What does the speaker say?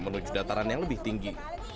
menuju dataran yang lebih tinggi